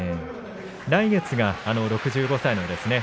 来月が６５歳なんですね。